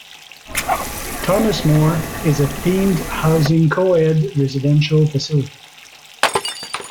Thomas More is a themed housing co-ed residential facility.